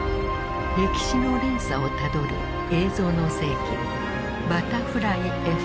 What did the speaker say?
歴史の連鎖をたどる「映像の世紀バタフライエフェクト」。